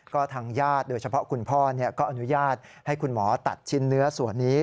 ก็ทางญาติโดยเฉพาะคุณพ่อก็อนุญาตให้คุณหมอตัดชิ้นเนื้อส่วนนี้